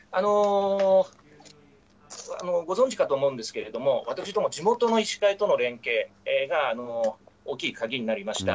ご存じかと思うんですけれども、私ども、地元の医師会との連携が、大きい鍵になりました。